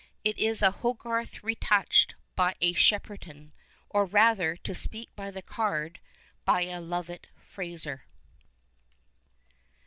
It is a Hogarth retouehcd by a Shepperson — or rather, to speak by the card, by a Lovat Fraser.